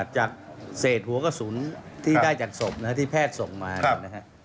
จากเศษหัวกระสุนที่ได้จากศพนะครับที่แพทย์ส่งมานะครับ